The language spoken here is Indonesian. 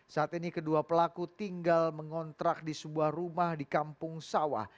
saat ini kedua pelaku tinggal mengontrak di sebuah rumah di kampung sawah